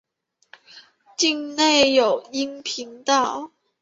境内有阴平道。